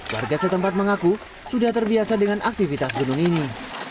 warga setempat mengaku sudah terbiasa dengan aktivitas gunung ini